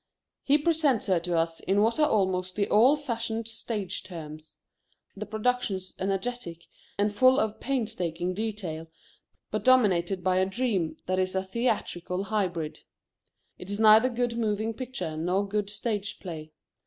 He presents her to us in what are almost the old fashioned stage terms: the productions energetic and full of painstaking detail but dominated by a dream that is a theatrical hybrid. It is neither good moving picture nor good stage play.